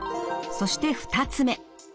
そして２つ目。